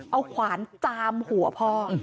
เอาขวานจามหัวพ่อ